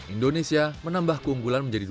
indonesia menambah keunggulan menjadi